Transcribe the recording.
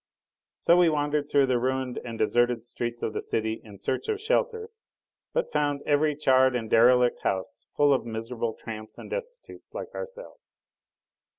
So we wandered through the ruined and deserted streets of the city in search of shelter, but found every charred and derelict house full of miserable tramps and destitutes like ourselves.